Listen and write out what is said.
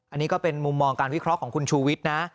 อันนี้ก็เป็นมุมมองการวิเคราะห์ของคุณชูวิทย์นะ